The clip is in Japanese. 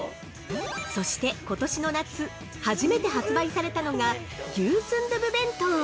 ◆そして今年の夏、初めて発売されたのが牛スンドゥブ弁当。